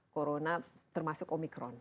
corona termasuk omikron